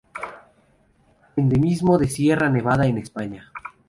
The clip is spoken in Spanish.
Endemismo de Sierra Nevada en España.